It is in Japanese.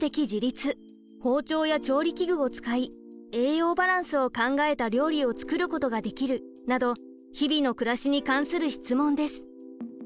「包丁や調理器具を使い栄養バランスを考えた料理を作ることができる」など日々の暮らしに関する質問です。